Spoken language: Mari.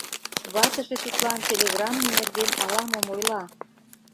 Ватыже тудлан телеграмме нерген ала-мом ойла.